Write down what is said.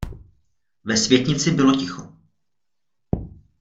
Ve světnici bylo ticho.